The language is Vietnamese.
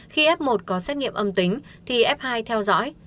khi f một có xét nghiệm âm tính thì f hai theo dõi